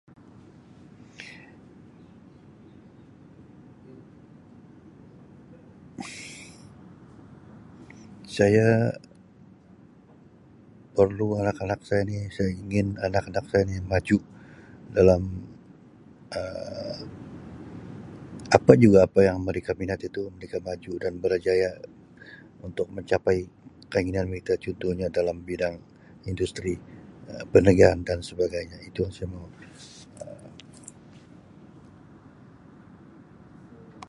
Saya perlu anak-anak saya ni. Saya ingin anak-anak saya ni maju dalam Um apa juga apa yang mereka minat itu, mereka maju dan berjaya untuk mencapai keinginan mereka cuntuhnya dalam bidang industri, Um perniagaan, dan sebagainya. Itu yang saya mau. Um